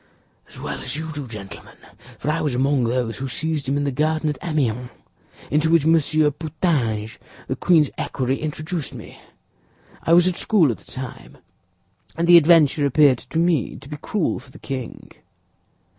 "As well as you do, gentlemen; for I was among those who seized him in the garden at Amiens, into which Monsieur Putange, the queen's equerry, introduced me. I was at school at the time, and the adventure appeared to me to be cruel for the king."